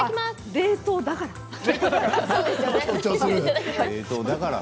冷凍だから。